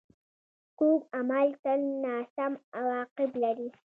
کوږ عمل تل ناسم عواقب لري